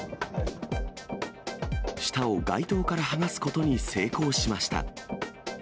舌を街灯から剥がすことに成功しました。